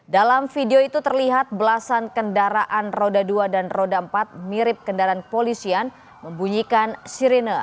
dalam video itu terlihat belasan kendaraan roda dua dan roda empat mirip kendaraan kepolisian membunyikan sirine